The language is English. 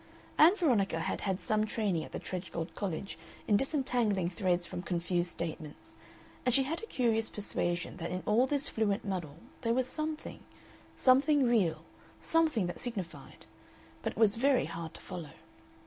Ann Veronica had had some training at the Tredgold College in disentangling threads from confused statements, and she had a curious persuasion that in all this fluent muddle there was something something real, something that signified. But it was very hard to follow.